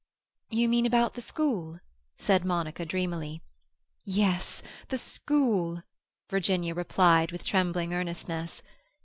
"You mean about the school?" said Monica dreamily. "Yes, the school," Virginia replied, with trembling earnestness.